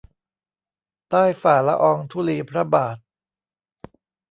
ใต้ฝ่าละอองธุลีพระบาท